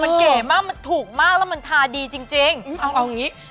มันเก๋มากถูกมากและมันทาดีจริง